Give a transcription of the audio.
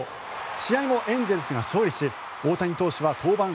試合もエンゼルスが勝利し大谷投手は登板